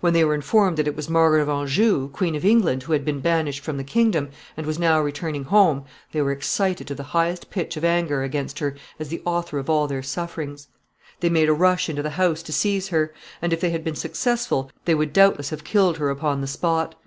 When they were informed that it was Margaret of Anjou, Queen of England, who had been banished from the kingdom, and was now returning home, they were excited to the highest pitch of anger against her as the author of all their sufferings. They made a rush into the house to seize her, and, if they had been successful, they would doubtless have killed her upon the spot.